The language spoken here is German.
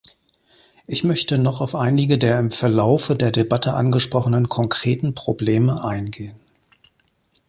Ich möchte noch auf einige der im Verlaufe der Debatte angesprochenen konkreten Probleme eingehen.